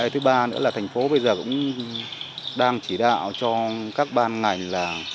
thứ ba nữa là thành phố bây giờ cũng đang chỉ đạo cho các ban ngành là